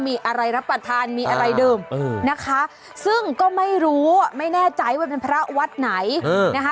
มีอะไรรับประทานมีอะไรเดิมนะคะซึ่งก็ไม่รู้ไม่แน่ใจว่าเป็นพระวัดไหนนะคะ